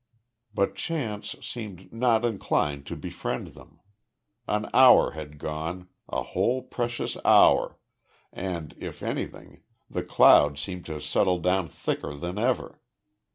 But chance seemed not inclined to befriend them. An hour had gone a whole precious hour and, if anything, the cloud seemed to settle down thicker than ever.